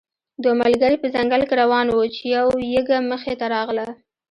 دوه ملګري په ځنګل کې روان وو چې یو یږه مخې ته راغله.